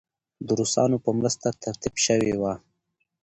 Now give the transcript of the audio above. د روسانو په مرسته ترتیب شوې وه.